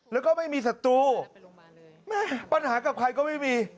แล้วก็ไม่มีศัตรูแม่ปัญหากับใครก็ไม่มี